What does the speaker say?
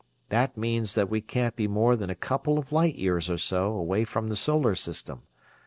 That means that we can't be more than a couple of light years or so away from the Solar System.